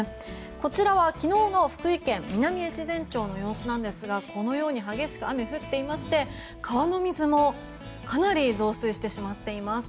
こちらは、昨日の福井県南越前町の様子なんですがこのように激しく雨が降っていまして川の水もかなり増水してしまっています。